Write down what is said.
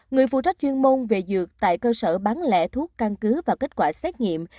người phụ trách chuyên môn về dược tại cơ sở bán lẻ thuốc căn cứ và kết quả xét nghiệm